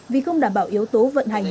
vì không đảm bảo yếu tố vận hành